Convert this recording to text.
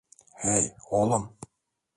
Hey, oğlum.